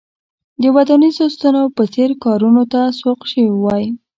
د ودانیزو ستنو په څېر کارونو ته سوق شوي وای.